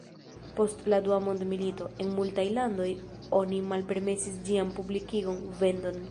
Post la dua mondmilito, en multaj landoj oni malpermesis ĝian publikigon, vendon.